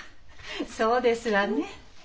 そうですわね。